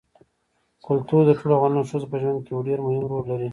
کلتور د ټولو افغان ښځو په ژوند کې یو ډېر مهم رول لري.